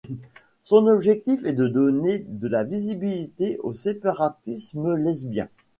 Son objectif est de donner de la visibilité au séparatisme lesbien.